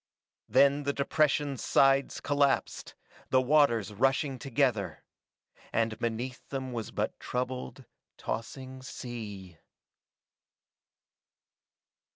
Then the depression's sides collapsed, the waters rushing together ... and beneath them was but troubled, tossing sea....